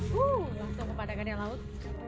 wuh langsung ke padangannya laut